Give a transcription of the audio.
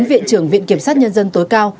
viện trưởng viện kiểm sát nhân dân tối cao